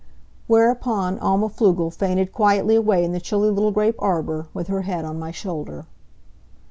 Whereupon Alma Pflugel fainted quietly away in the chilly little grape arbor, with her head on my shoulder.